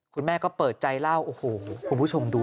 คุณแม่ก็เปิดใจเล่าโอ้โหคุณผู้ชมดู